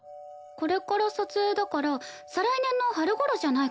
これから撮影だから再来年の春頃じゃないかな。